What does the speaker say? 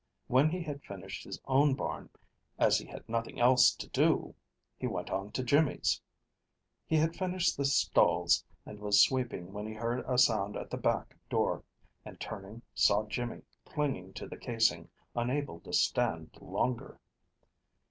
When he had finished his own barn, as he had nothing else to do, he went on to Jimmy's. He had finished the stalls, and was sweeping when he heard a sound at the back door, and turning saw Jimmy clinging to the casing, unable to stand longer.